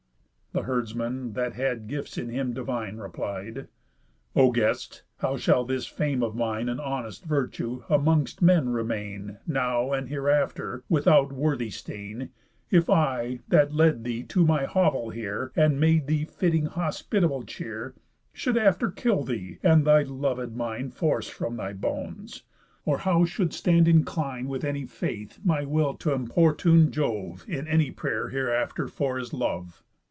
The herdsman, that had gifts in him divine, Replied: "O guest, how shall this fame of mine And honest virtue, amongst men, remain Now, and hereafter, without worthy stain, If I, that led thee to my hovel here, And made thee fitting hospitable cheer, Should after kill thee, and thy lovéd mind Force from thy bones? Or how should stand inclin'd With any faith my will t' importune Jove, In any pray'r hereafter for his love?